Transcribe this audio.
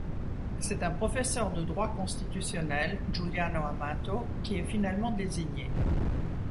C'est un professeur de droit constitutionnel, Giuliano Amato, qui est finalement désigné.